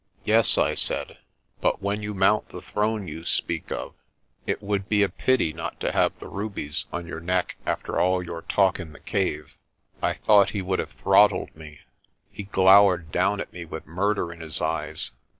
"Yes," I said, "but when you mount the throne you speak of, it would be a pity not to have the rubies on your neck after all your talk in the cave." I thought he would have throttled me. He glowered down at me with murder in his eyes.